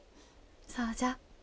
そうじゃ。